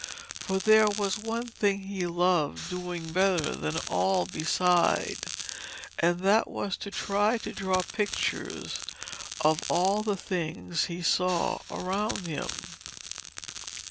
For there was one thing he loved doing better than all beside, and that was to try to draw pictures of all the things he saw around him.